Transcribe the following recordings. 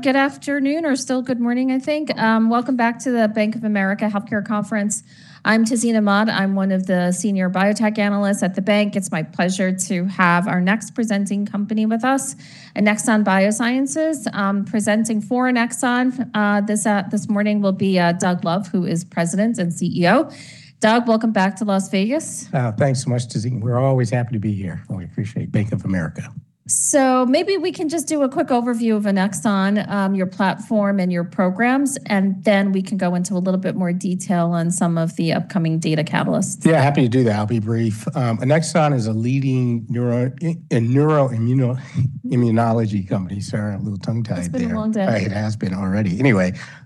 Good afternoon or still good morning, I think. Welcome back to the Bank of America Healthcare Conference. I'm Tazeen Ahmad. I'm one of the Senior Biotech Analysts at the bank. It's my pleasure to have our next presenting company with us. Annexon Biosciences, presenting for Annexon, this morning will be Doug Love, who is President and CEO. Doug, welcome back to Las Vegas. Thanks so much, Tazeen. We're always happy to be here, and we appreciate Bank of America. Maybe we can just do a quick overview of Annexon, your platform and your programs, and then we can go into a little bit more detail on some of the upcoming data catalysts. Yeah, happy to do that. I'll be brief. Annexon is a leading neuroimmuno-immunology company. Sorry, a little tongue-tied there. It's been a long day. It has been already.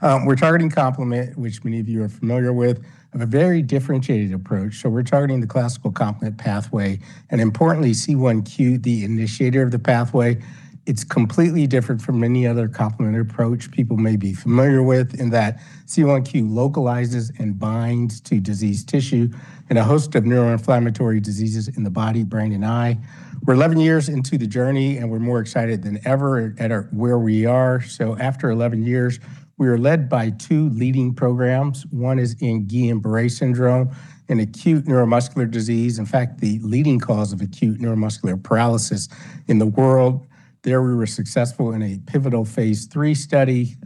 We're targeting complement, which many of you are familiar with, of a very differentiated approach. We're targeting the classical complement pathway, and importantly, C1q, the initiator of the pathway. It's completely different from any other complement approach people may be familiar with in that C1q localizes and binds to disease tissue in a host of neuroinflammatory diseases in the body, brain, and eye. We're 11 years into the journey, and we're more excited than ever at our where we are. After 11 years, we are led by two leading programs. One is in Guillain-Barré syndrome, an acute neuromuscular disease, in fact, the leading cause of acute neuromuscular paralysis in the world. There, we were successful in a pivotal phase III study,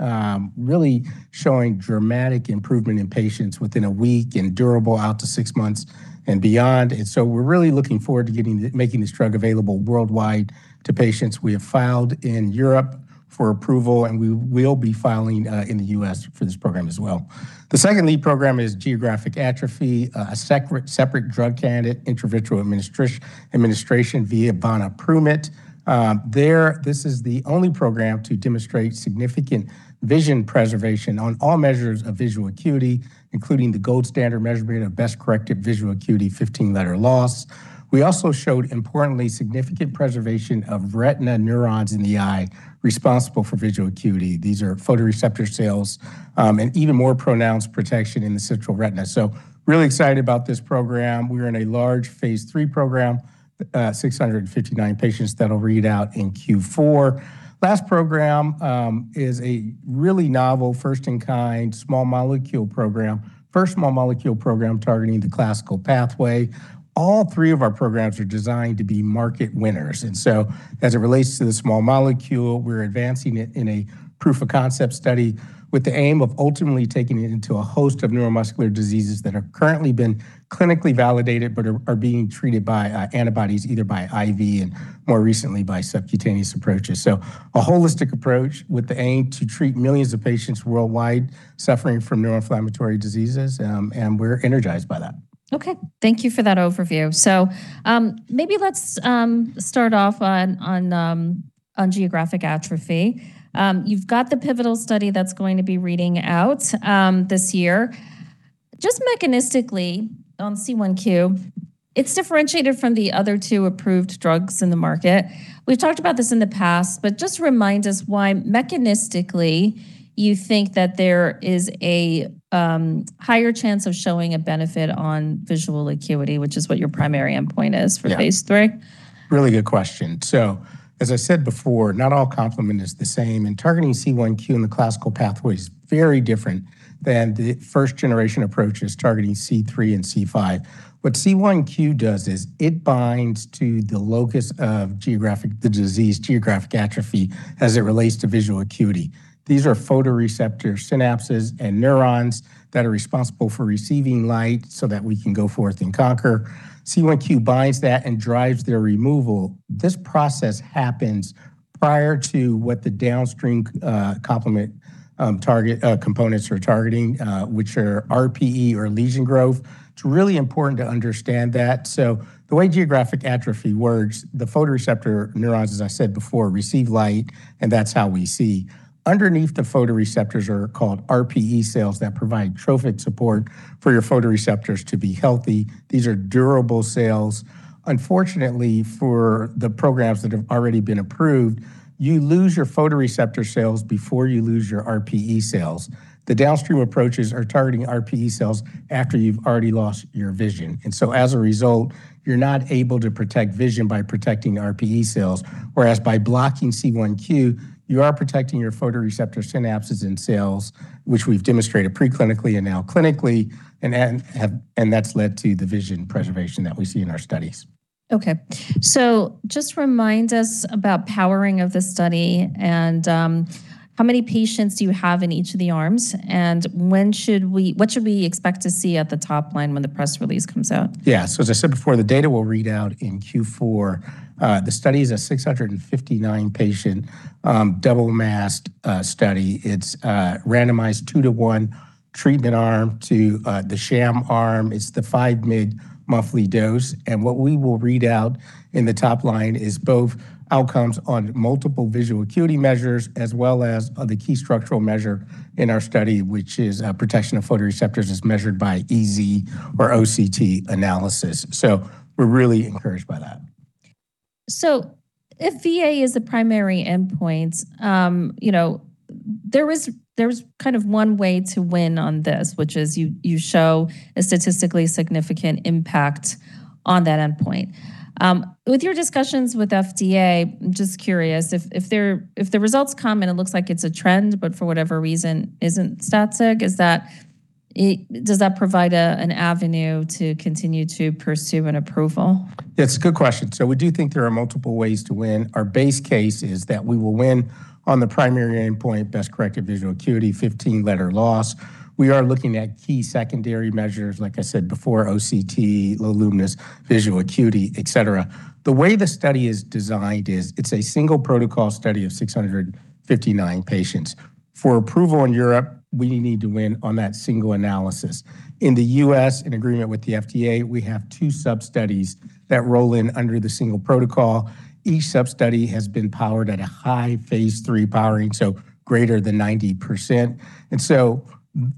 really showing dramatic improvement in patients within one week and durable out to six months and beyond. We're really looking forward to making this drug available worldwide to patients. We have filed in Europe for approval, and we will be filing in the U.S. for this program as well. The second lead program is geographic atrophy, a separate drug candidate, intravitreal administration via vonaprumet. This is the only program to demonstrate significant vision preservation on all measures of visual acuity, including the gold standard measurement of best-corrected visual acuity, 15-letter loss. We also showed, importantly, significant preservation of retina neurons in the eye responsible for visual acuity. These are photoreceptor cells, and even more pronounced protection in the central retina. Really excited about this program. We are in a large phase III program, 659 patients that'll read out in Q4. Last program is a really novel, first-in-kind, small molecule program. First small molecule program targeting the classical complement pathway. All three of our programs are designed to be market winners. As it relates to the small molecule, we're advancing it in a proof-of-concept study with the aim of ultimately taking it into a host of neuromuscular diseases that have currently been clinically validated but are being treated by antibodies, either by IV and more recently by subcutaneous approaches. A holistic approach with the aim to treat millions of patients worldwide suffering from neuroinflammatory diseases, and we're energized by that. Thank you for that overview. Maybe let's start off on on geographic atrophy. You've got the pivotal study that's going to be reading out this year. Just mechanistically on C1q, it's differentiated from the other two approved drugs in the market. We've talked about this in the past, just remind us why mechanistically you think that there is a higher chance of showing a benefit on visual acuity, which is what your primary endpoint is? Yeah. For phase III? Really good question. As I said before, not all complement is the same. Targeting C1q in the classical pathway is very different than the first generation approaches targeting C3 and C5. What C1q does is it binds to the locus of geographic, the disease geographic atrophy, as it relates to visual acuity. These are photoreceptor synapses and neurons that are responsible for receiving light so that we can go forth and conquer. C1q binds that and drives their removal. This process happens prior to what the downstream complement target components are targeting, which are RPE or lesion growth. It's really important to understand that. The way geographic atrophy works, the photoreceptor neurons, as I said before, receive light, and that's how we see. Underneath the photoreceptors are called RPE cells that provide trophic support for your photoreceptors to be healthy. These are durable cells. Unfortunately, for the programs that have already been approved, you lose your photoreceptor cells before you lose your RPE cells. The downstream approaches are targeting RPE cells after you've already lost your vision. As a result, you're not able to protect vision by protecting RPE cells. Whereas by blocking C1q, you are protecting your photoreceptor synapses and cells, which we've demonstrated preclinically and now clinically, and that's led to the vision preservation that we see in our studies. Okay. Just remind us about powering of the study and how many patients do you have in each of the arms, and what should we expect to see at the top line when the press release comes out? Yeah. As I said before, the data will read out in Q4. The study is a 659 patient double masked study. It's randomized two-to-one treatment arm to the sham arm. It's the 5 mg monthly dose. What we will read out in the top line is both outcomes on multiple visual acuity measures as well as the key structural measure in our study, which is protection of photoreceptors as measured by EZ or OCT analysis. We're really encouraged by that. If VA is a primary endpoint, you know, there was kind of one way to win on this, which is you show a statistically significant impact on that endpoint. With your discussions with FDA, I'm just curious if the results come and it looks like it's a trend, but for whatever reason isn't stat sig, does that provide a an avenue to continue to pursue an approval? That's a good question. We do think there are multiple ways to win. Our base case is that we will win on the primary endpoint, best-corrected visual acuity, 15-letter loss. We are looking at key secondary measures, like I said before, OCT, low luminance visual acuity, et cetera. The way the study is designed is it's a single protocol study of 659 patients. For approval in Europe, we need to win on that single analysis. In the U.S., in agreement with the FDA, we have two sub-studies that roll in under the single protocol. Each sub-study has been powered at a high phase III powering, so greater than 90%.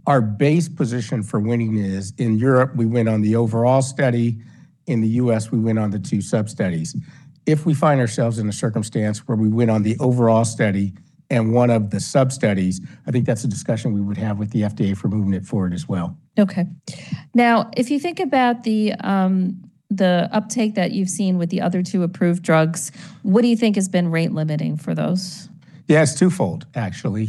Our base position for winning is, in Europe, we win on the overall study. In the U.S., we win on the two sub-studies. If we find ourselves in a circumstance where we win on the overall study and one of the sub-studies, I think that's a discussion we would have with the FDA for moving it forward as well. Now, if you think about the uptake that you've seen with the other two approved drugs, what do you think has been rate-limiting for those? Yeah, it's twofold, actually.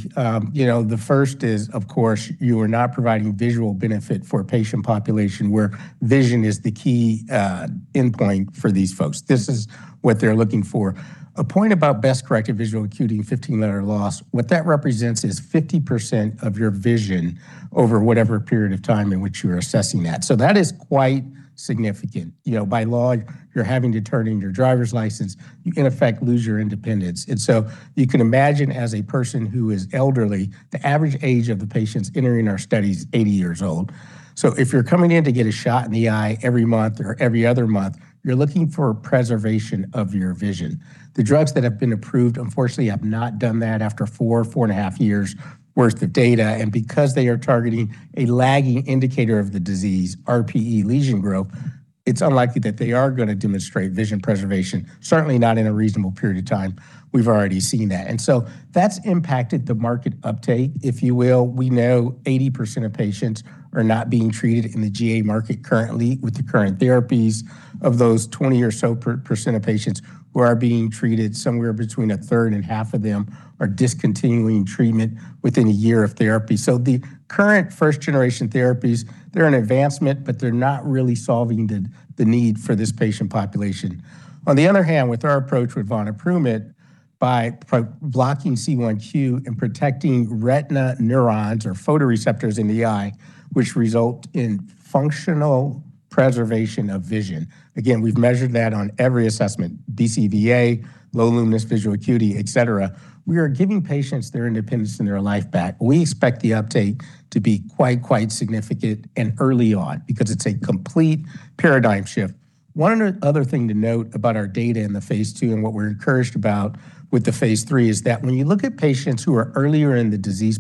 You know, the first is, of course, you are not providing visual benefit for a patient population where vision is the key endpoint for these folks. This is what they're looking for. A point about best-corrected visual acuity and 15 letter loss, what that represents is 50% of your vision over whatever period of time in which you are assessing that. That is quite significant. You know, by law, you're having to turn in your driver's license. You can lose your independence. You can imagine as a person who is elderly, the average age of the patients entering our study is 80 years old. If you're coming in to get a shot in the eye every month or every other month, you're looking for preservation of your vision. The drugs that have been approved, unfortunately, have not done that after 4.5 years worth of data. Because they are targeting a lagging indicator of the disease, RPE lesion growth, it's unlikely that they are gonna demonstrate vision preservation, certainly not in a reasonable period of time. We've already seen that. That's impacted the market uptake. If you will, we know 80% of patients are not being treated in the GA market currently with the current therapies. Of those 20% or so of patients who are being treated, somewhere between a third and half of them are discontinuing treatment within a year of therapy. The current first-generation therapies, they're an advancement, but they're not really solving the need for this patient population. On the other hand, with our approach with vonaprument, by blocking C1q and protecting retina neurons or photoreceptors in the eye, which result in functional preservation of vision. Again, we've measured that on every assessment, BCVA, low luminance visual acuity, et cetera. We are giving patients their independence and their life back. We expect the uptake to be quite significant and early on because it's a complete paradigm shift. One other thing to note about our data in the phase II and what we're encouraged about with the phase III is that when you look at patients who are earlier in the disease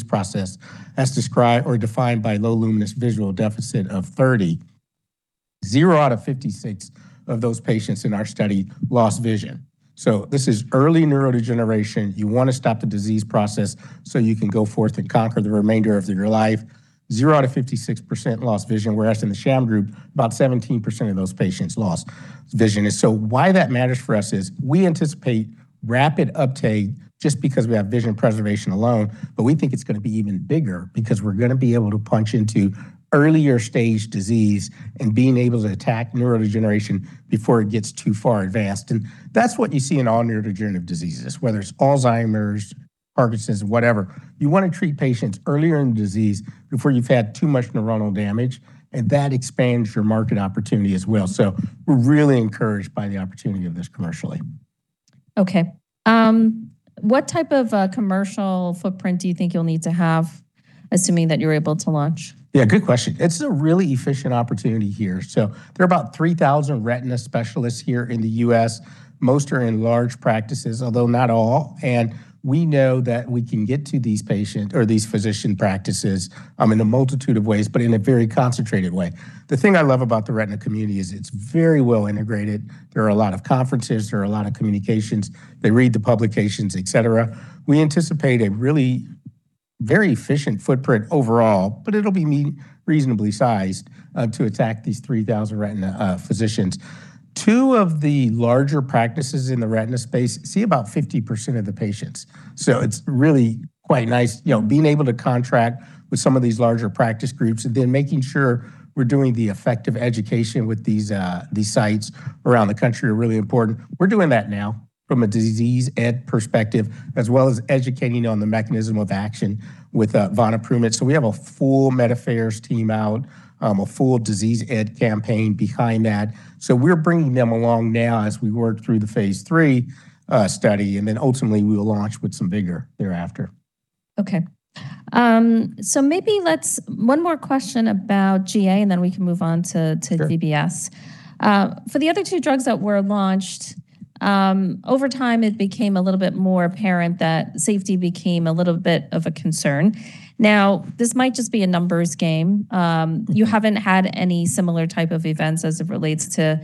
process, as described or defined by low luminance visual deficit of 30, zero out of 56 of those patients in our study lost vision. This is early neurodegeneration. You want to stop the disease process so you can go forth and conquer the remainder of your life. Zero out of 56% lost vision, whereas in the sham group, about 17% of those patients lost vision. Why that matters for us is we anticipate rapid uptake just because we have vision preservation alone, but we think it's gonna be even bigger because we're gonna be able to punch into earlier stage disease and being able to attack neurodegeneration before it gets too far advanced. That's what you see in all neurodegenerative diseases, whether it's Alzheimer's, Parkinson's, whatever. You want to treat patients earlier in the disease before you've had too much neuronal damage, and that expands your market opportunity as well. We're really encouraged by the opportunity of this commercially. Okay. What type of commercial footprint do you think you'll need to have, assuming that you're able to launch? Yeah, good question. It's a really efficient opportunity here. There are about 3,000 retina specialists here in the U.S. Most are in large practices, although not all. We know that we can get to these patient or these physician practices in a multitude of ways, but in a very concentrated way. The thing I love about the retina community is it's very well integrated. There are a lot of conferences, there are a lot of communications. They read the publications, et cetera. We anticipate a really very efficient footprint overall, but it'll be reasonably sized to attack these 3,000 retina physicians. Two of the larger practices in the retina space see about 50% of the patients. It's really quite nice, you know, being able to contract with some of these larger practice groups and then making sure we're doing the effective education with these sites around the country are really important. We're doing that now from a disease ed perspective, as well as educating on the mechanism of action with vonaprument. We have a full medical affairs team out, a full disease ed campaign behind that. We're bringing them along now as we work through the phase III study, and then ultimately we will launch with some vigor thereafter. Okay. Maybe let's, one more question about GA, and then we can move on to. Sure. GBS. For the other two drugs that were launched, over time, it became a little bit more apparent that safety became a little bit of a concern. Now, this might just be a numbers game. You haven't had any similar type of events as it relates to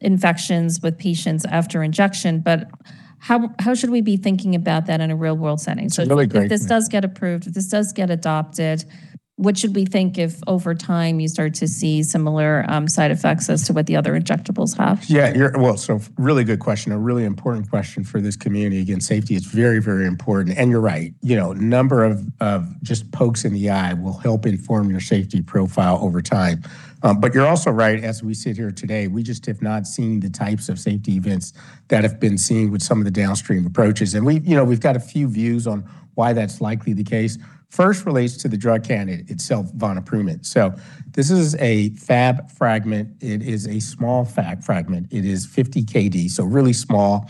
infections with patients after injection. How should we be thinking about that in a real-world setting? It's a really great- If this does get approved, if this does get adopted, what should we think if over time you start to see similar side effects as to what the other injectables have? You're Well, really good question, a really important question for this community. Again, safety is very, very important, and you're right. You know, a number of just pokes in the eye will help inform your safety profile over time. You're also right. As we sit here today, we just have not seen the types of safety events that have been seen with some of the downstream approaches. We, you know, we've got a few views on why that's likely the case. First relates to the drug candidate itself, vonaprument. This is a Fab fragment. It is a small Fab fragment. It is 50 kDa, really small,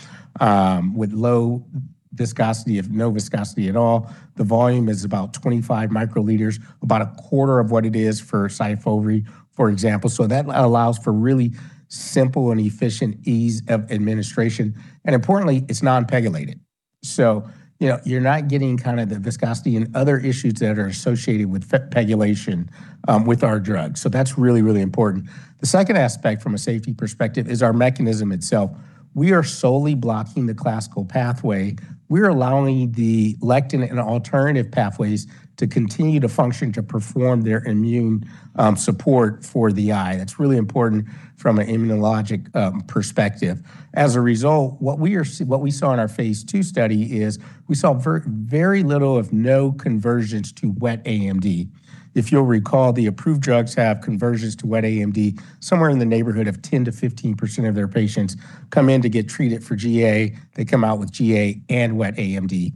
with low viscosity, if no viscosity at all. The volume is about 25 microliters, about a quarter of what it is for SYFOVRE, for example. That allows for really simple and efficient ease of administration. Importantly, it's non-pegylated. You know, you're not getting kind of the viscosity and other issues that are associated with pegylation with our drug. That's really important. The second aspect from a safety perspective is our mechanism itself. We are solely blocking the classical pathway. We're allowing the lectin and alternative pathways to continue to function to perform their immune support for the eye. That's really important from an immunologic perspective. As a result, what we saw in our phase II study is we saw very little, if no conversions to wet AMD. If you'll recall, the approved drugs have conversions to wet AMD. Somewhere in the neighborhood of 10-15% of their patients come in to get treated for GA. They come out with GA and wet AMD.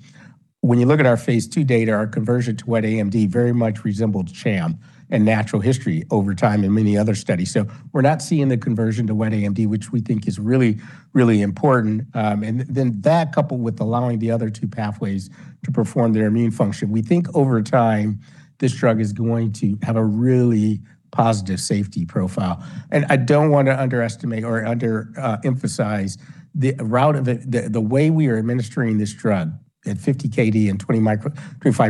When you look at our phase II data, our conversion to wet AMD very much resembled sham and natural history over time in many other studies. We're not seeing the conversion to wet AMD, which we think is really, really important. That coupled with allowing the other two pathways to perform their immune function. We think over time, this drug is going to have a really positive safety profile. I don't want to underestimate or under emphasize the route of it. The way we are administering this drug at 50 kDa and 25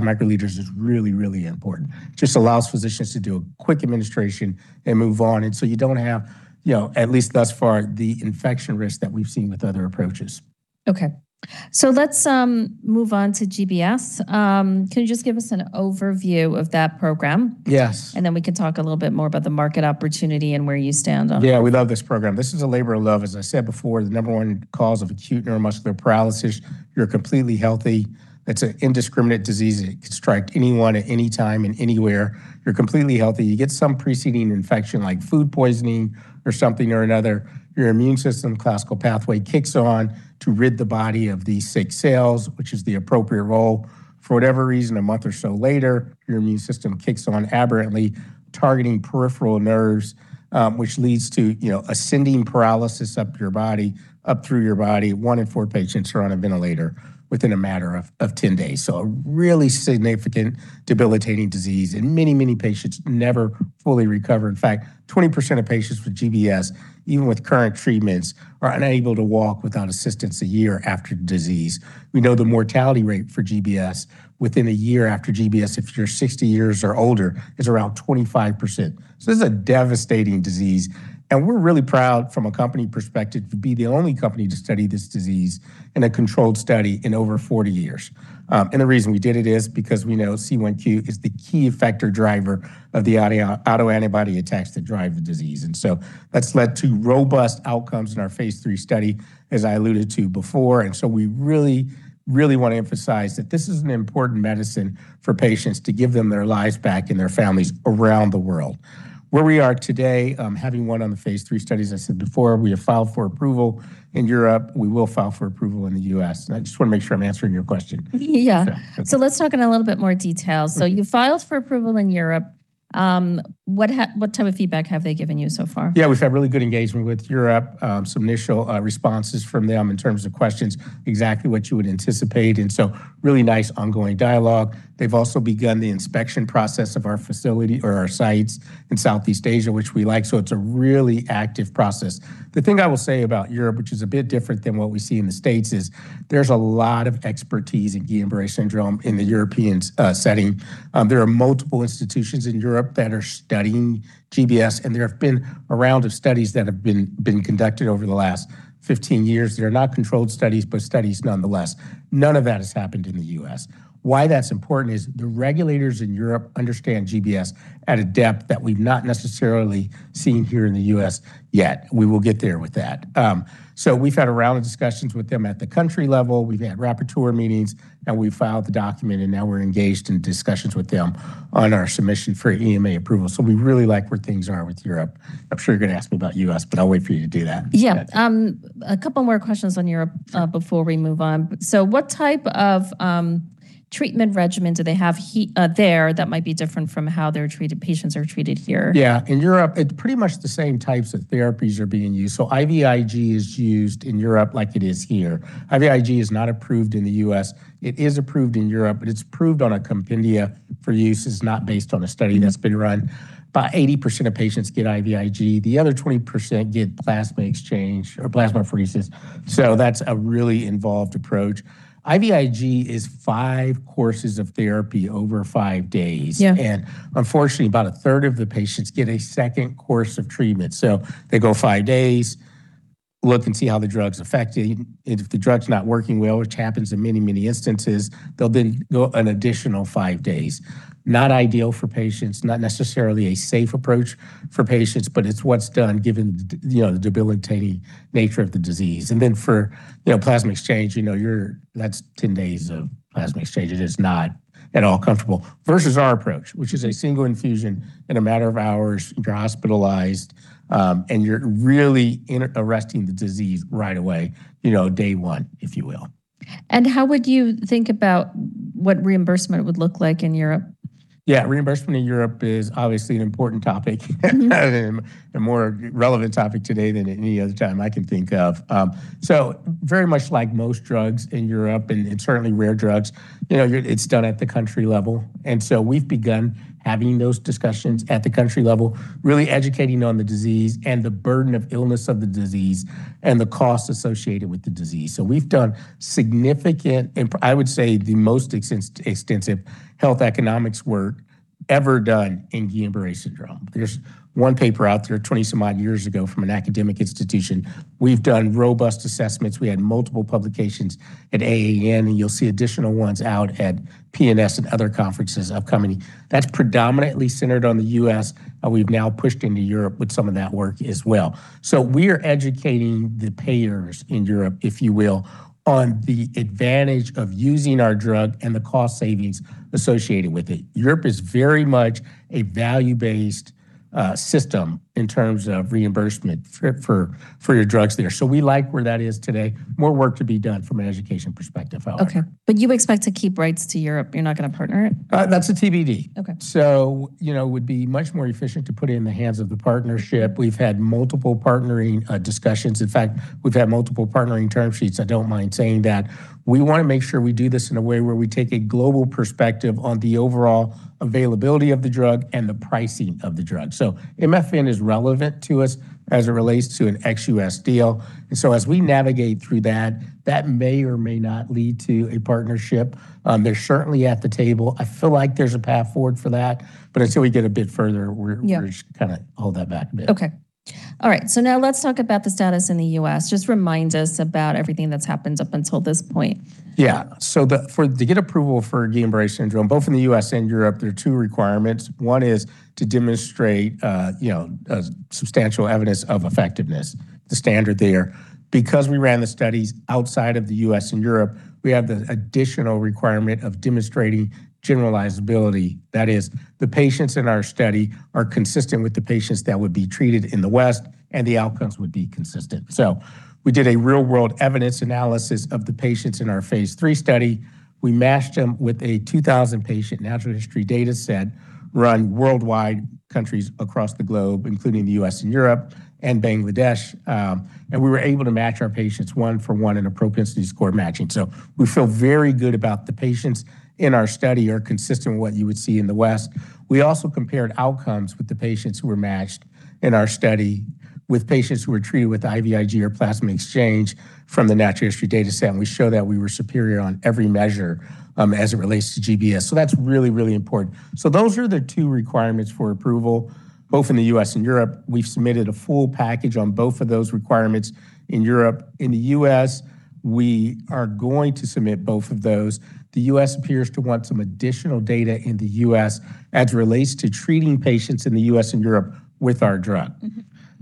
microliters is really, really important. Just allows physicians to do a quick administration and move on. You don't have, you know, at least thus far, the infection risk that we've seen with other approaches. Okay. Let's move on to GBS. Can you just give us an overview of that program? Yes. We can talk a little bit more about the market opportunity and where you stand on it. Yeah, we love this program. This is a labor of love. As I said before, the number one cause of acute neuromuscular paralysis. You're completely healthy. It's an indiscriminate disease. It can strike anyone at any time and anywhere. You're completely healthy. You get some preceding infection like food poisoning or something or another. Your immune system classical pathway kicks on to rid the body of these sick cells, which is the appropriate role. For whatever reason, a month or so later, your immune system kicks on aberrantly, targeting peripheral nerves, which leads to, you know, ascending paralysis up your body, up through your body. One in four patients are on a ventilator within a matter of 10 days. A really significant debilitating disease, and many, many patients never fully recover. In fact, 20% of patients with GBS, even with current treatments, are unable to walk without assistance a year after the disease. We know the mortality rate for GBS within a year after GBS, if you're 60 years or older, is around 25%. This is a devastating disease, and we're really proud from a company perspective to be the only company to study this disease in a controlled study in over 40 years. The reason we did it is because we know C1q is the key effector driver of the autoantibody attacks that drive the disease. That's led to robust outcomes in our phase III study, as I alluded to before. We really want to emphasize that this is an important medicine for patients to give them their lives back and their families around the world. Where we are today, having won on the phase III studies, I said before, we have filed for approval in Europe. We will file for approval in the U.S. I just want to make sure I'm answering your question. Yeah. Okay. Let's talk in a little bit more detail. Okay. You filed for approval in Europe. What type of feedback have they given you so far? Yeah, we've had really good engagement with Europe. Some initial responses from them in terms of questions, exactly what you would anticipate, really nice ongoing dialogue. They've also begun the inspection process of our facility or our sites in Southeast Asia, which we like, it's a really active process. The thing I will say about Europe, which is a bit different than what we see in the U.S., is there's a lot of expertise in Guillain-Barré syndrome in the European setting. There are multiple institutions in Europe that are studying GBS, there have been a round of studies that have been conducted over the last 15 years. They're not controlled studies nonetheless. None of that has happened in the U.S. Why that's important is the regulators in Europe understand GBS at a depth that we've not necessarily seen here in the U.S. yet. We will get there with that. We've had a round of discussions with them at the country level. We've had rapporteur meetings, and we've filed the document, and now we're engaged in discussions with them on our submission for EMA approval. We really like where things are with Europe. I'm sure you're gonna ask me about U.S., but I'll wait for you to do that. Yeah. But- A couple more questions on Europe. Sure. Before we move on. What type of treatment regimen do they have there that might be different from how they're treated, patients are treated here? Yeah. In Europe, it's pretty much the same types of therapies are being used. IVIG is used in Europe like it is here. IVIG is not approved in the U.S. It is approved in Europe, but it's approved on a compendia for use. It's not based on a study that's been run. About 80% of patients get IVIG. The other 20% get plasma exchange or plasmapheresis. That's a really involved approach. IVIG is five courses of therapy over five days. Yeah. Unfortunately, about 1/3 of the patients get a second course of treatment. They go five days. Look and see how the drug's affecting. If the drug's not working well, which happens in many, many instances, they'll then go an additional five days. Not ideal for patients, not necessarily a safe approach for patients, but it's what's done given, you know, the debilitating nature of the disease. For, you know, plasma exchange, you know, that's 10 days of plasma exchange. It is not at all comfortable. Versus our approach, which is a single infusion in a matter of hours. You're hospitalized, and you're really arresting the disease right away, you know, day one, if you will. How would you think about what reimbursement would look like in Europe? Yeah. Reimbursement in Europe is obviously an important topic. A more relevant topic today than any other time I can think of. Very much like most drugs in Europe, and certainly rare drugs, you know, it's done at the country level. We've begun having those discussions at the country level, really educating on the disease and the burden of illness of the disease and the cost associated with the disease. We've done significant I would say the most extensive health economics work ever done in Guillain-Barré syndrome. There's one paper out there 20 some odd years ago from an academic institution. We've done robust assessments. We had multiple publications at AAN, and you'll see additional ones out at PNS and other conferences upcoming. That's predominantly centered on the U.S. We've now pushed into Europe with some of that work as well. We're educating the payers in Europe, if you will, on the advantage of using our drug and the cost savings associated with it. Europe is very much a value-based system in terms of reimbursement for your drugs there. We like where that is today. More work to be done from an education perspective, however. Okay. You expect to keep rights to Europe. You're not gonna partner it? That's a TBD. Okay. You know, would be much more efficient to put it in the hands of the partnership. We've had multiple partnering discussions. In fact, we've had multiple partnering term sheets. I don't mind saying that. We wanna make sure we do this in a way where we take a global perspective on the overall availability of the drug and the pricing of the drug. MFN is relevant to us as it relates to an ex-US deal. As we navigate through that may or may not lead to a partnership. They're certainly at the table. I feel like there's a path forward for that, but until we get a bit further. Yeah. We're just gonna hold that back a bit. Okay. All right, now let's talk about the status in the U.S. Just remind us about everything that's happened up until this point. Yeah. To get approval for Guillain-Barré syndrome, both in the U.S. and Europe, there are two requirements. One is to demonstrate, you know, substantial evidence of effectiveness, the standard there. Because we ran the studies outside of the U.S. and Europe, we have the additional requirement of demonstrating generalizability. That is, the patients in our study are consistent with the patients that would be treated in the West, and the outcomes would be consistent. We did a real-world evidence analysis of the patients in our phase III study. We matched them with a 2,000 patient natural history data set run worldwide, countries across the globe, including the U.S. and Europe and Bangladesh. We were able to match our patients one for one in appropriate score matching. We feel very good about the patients in our study are consistent with what you would see in the West. We also compared outcomes with the patients who were matched in our study with patients who were treated with IVIG or plasma exchange from the natural history data set, and we show that we were superior on every measure as it relates to GBS. That's really, really important. Those are the two requirements for approval, both in the U.S. and Europe. We've submitted a full package on both of those requirements in Europe. In the U.S., we are going to submit both of those. The U.S. appears to want some additional data in the U.S. as it relates to treating patients in the U.S. and Europe with our drug.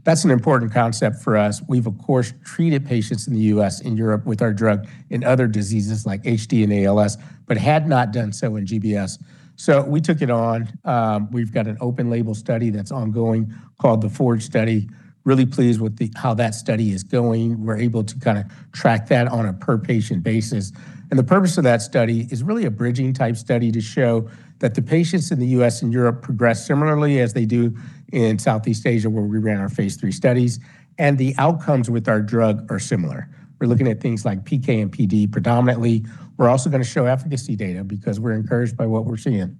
That's an important concept for us. We've, of course, treated patients in the U.S. and Europe with our drug in other diseases like HD and ALS, but had not done so in GBS. We took it on. We've got an open label study that's ongoing called the FORGE study. Really pleased with how that study is going. We're able to kinda track that on a per patient basis. The purpose of that study is really a bridging type study to show that the patients in the U.S. and Europe progress similarly as they do in Southeast Asia, where we ran our phase III studies, and the outcomes with our drug are similar. We're looking at things like PK and PD predominantly. We're also gonna show efficacy data because we're encouraged by what we're seeing.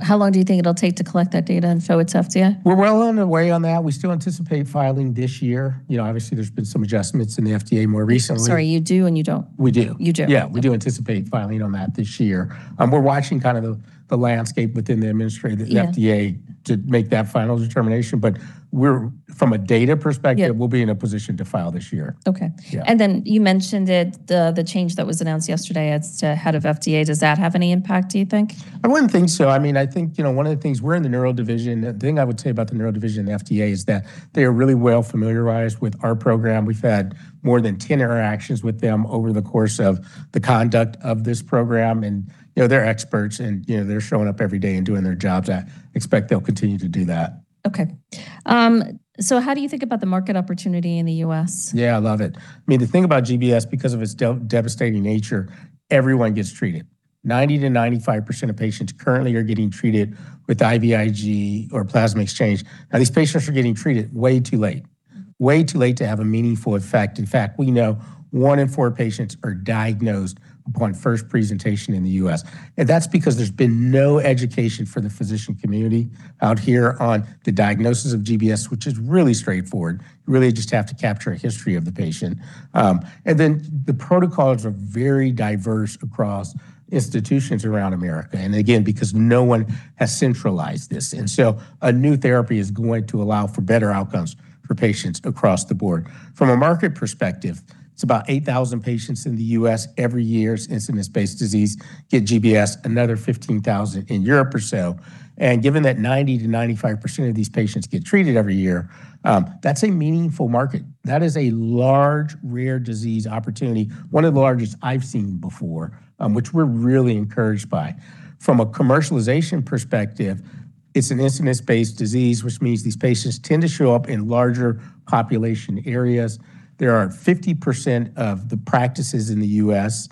How long do you think it'll take to collect that data and show it to FDA? We're well on the way on that. We still anticipate filing this year. You know, obviously, there's been some adjustments in the FDA more recently. Sorry, you do and you don't. We do. You do. Yeah. We do anticipate filing on that this year. We're watching kind of the landscape within. Yeah. The FDA to make that final determination. Yeah. We'll be in a position to file this year. Okay. Yeah. You mentioned it, the change that was announced yesterday as to head of FDA. Does that have any impact, do you think? I wouldn't think so. I mean, I think, you know, one of the things, we're in the neural division. The thing I would say about the neural division in the FDA is that they are really well familiarized with our program. We've had more than 10 interactions with them over the course of the conduct of this program. You know, they're experts and, you know, they're showing up every day and doing their jobs. I expect they'll continue to do that. Okay. How do you think about the market opportunity in the U.S.? Yeah, I love it. I mean, the thing about GBS, because of its devastating nature, everyone gets treated. 90%-95% of patients currently are getting treated with IVIG or plasma exchange. These patients are getting treated way too late to have a meaningful effect. In fact, we know one in four patients are diagnosed upon first presentation in the U.S. That's because there's been no education for the physician community out here on the diagnosis of GBS, which is really straightforward. You really just have to capture a history of the patient. Then the protocols are very diverse across institutions around America, again, because no one has centralized this. So a new therapy is going to allow for better outcomes for patients across the board. From a market perspective, it's about 8,000 patients in the U.S. every year, it's an incidence-based disease, get GBS, another 15,000 in Europe or so. Given that 90%-95% of these patients get treated every year, that's a meaningful market. That is a large rare disease opportunity, one of the largest I've seen before, which we're really encouraged by. From a commercialization perspective, it's an incidence-based disease, which means these patients tend to show up in larger population areas. There are 50% of the practices in the U.S.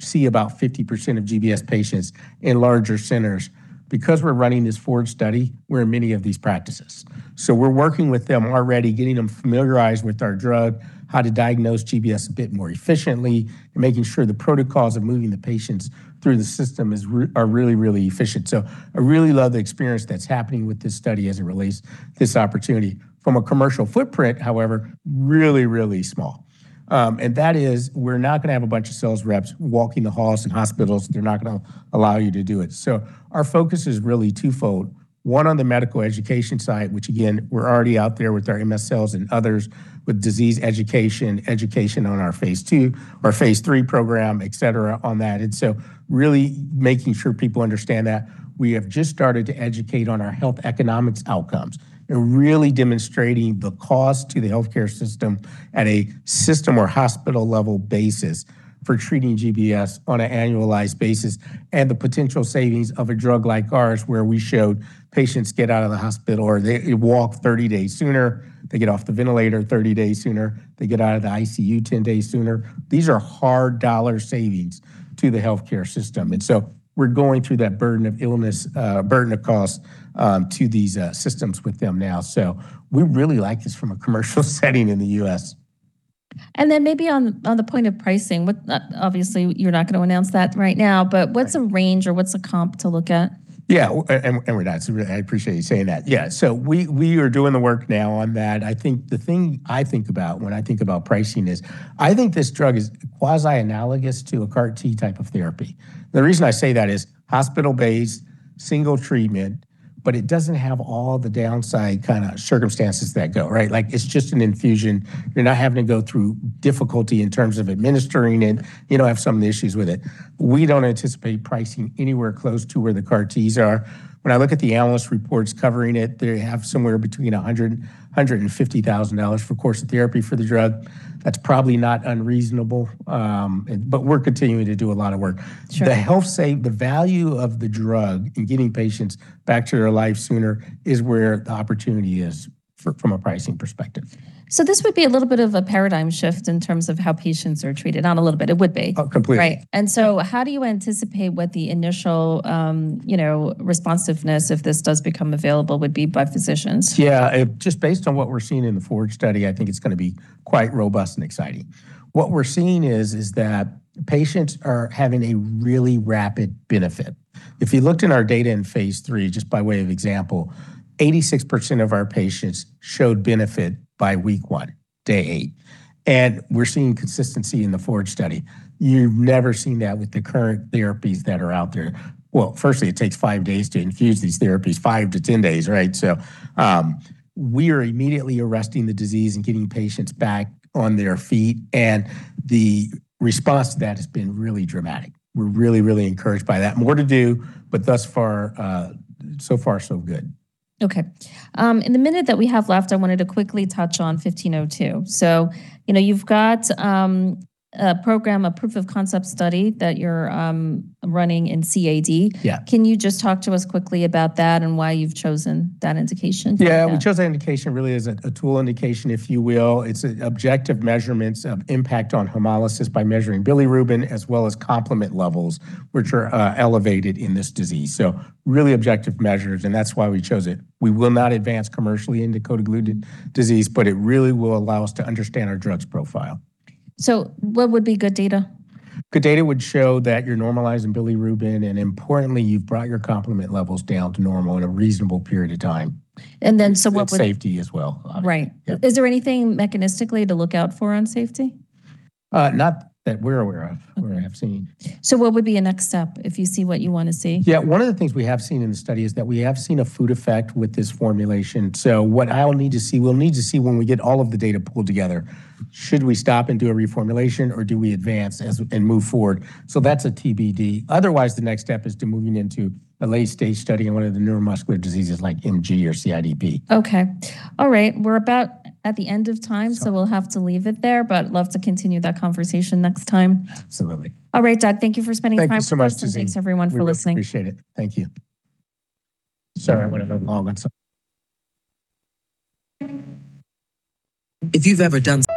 see about 50% of GBS patients in larger centers. Because we're running this FORGE study, we're in many of these practices. We're working with them already, getting them familiarized with our drug, how to diagnose GBS a bit more efficiently, and making sure the protocols of moving the patients through the system are really efficient. I really love the experience that's happening with this study as it relates this opportunity. From a commercial footprint, however, really small. That is, we're not gonna have a bunch of sales reps walking the halls in hospitals. They're not gonna allow you to do it. Our focus is really twofold. One on the medical education side, which again, we're already out there with our MSLs and others with disease education on our phase II or phase III program, et cetera, on that. Really making sure people understand that. We have just started to educate on our health economics outcomes, and really demonstrating the cost to the healthcare system at a system or hospital level basis for treating GBS on an annualized basis, and the potential savings of a drug like ours, where we showed patients get out of the hospital or they walk 30 days sooner, they get off the ventilator 30 days sooner, they get out of the ICU 10 days sooner. These are hard dollar savings to the healthcare system. We're going through that burden of illness, burden of cost, to these systems with them now. We really like this from a commercial setting in the U.S. Then maybe on the point of pricing, obviously, you're not going to announce that right now. Right. What's a range or what's a comp to look at? Yeah. And we're not, I appreciate you saying that. Yeah. We are doing the work now on that. I think the thing I think about when I think about pricing is, I think this drug is quasi-analogous to a CAR T type of therapy. The reason I say that is hospital-based, single treatment, but it doesn't have all the downside kind of circumstances that go, right? Like it's just an infusion. You're not having to go through difficulty in terms of administering it. You don't have some of the issues with it. We don't anticipate pricing anywhere close to where the CAR Ts are. When I look at the analyst reports covering it, they have somewhere between $100,000 and $150,000 for a course of therapy for the drug. That's probably not unreasonable, we're continuing to do a lot of work. Sure. The health save, the value of the drug in getting patients back to their life sooner is where the opportunity is from a pricing perspective. This would be a little bit of a paradigm shift in terms of how patients are treated. Not a little bit. It would be. Oh, completely. Right. How do you anticipate what the initial, you know, responsiveness, if this does become available, would be by physicians? Yeah. Just based on what we're seeing in the FORGE study, I think it's going to be quite robust and exciting. What we're seeing is that patients are having a really rapid benefit. If you looked in our data in phase III, just by way of example, 86% of our patients showed benefit by week one, day eight. We're seeing consistency in the FORGE study. You've never seen that with the current therapies that are out there. Well, firstly, it takes five days to infuse these therapies, 5-10 days, right? We are immediately arresting the disease and getting patients back on their feet, and the response to that has been really dramatic. We're really, really encouraged by that. More to do, but thus far, so far so good. Okay. In the minute that we have left, I wanted to quickly touch on 1502. You know, you've got a program, a proof of concept study that you're running in CAD. Yeah. Can you just talk to us quickly about that and why you've chosen that indication for that? Yeah. We chose that indication really as a tool indication, if you will. It's objective measurements of impact on hemolysis by measuring bilirubin as well as complement levels, which are elevated in this disease. Really objective measures, and that's why we chose it. We will not advance commercially into cold agglutinin disease, but it really will allow us to understand our drug's profile. What would be good data? Good data would show that you're normalizing bilirubin, and importantly, you've brought your complement levels down to normal in a reasonable period of time. And then so what would? Safety as well, obviously. Right. Yeah. Is there anything mechanistically to look out for on safety? Not that we're aware of. Okay. Or have seen. What would be a next step if you see what you want to see? Yeah. One of the things we have seen in the study is that we have seen a food effect with this formulation. We'll need to see when we get all of the data pulled together, should we stop and do a reformulation, or do we advance and move forward? That's a TBD. Otherwise, the next step is to moving into a late-stage study in one of the neuromuscular diseases like MG or CIDP. Okay. All right. We're about at the end of time. Sorry. We'll have to leave it there, but love to continue that conversation next time. Absolutely. All right, Doug, thank you for spending time with us. Thank you so much, Tazeen. Thanks everyone for listening. We really appreciate it. Thank you. Sorry I went over long on some. If you've ever done some.